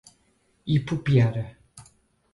Ipupiara